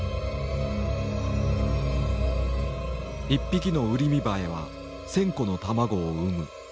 １匹のウリミバエは１，０００個の卵を産む。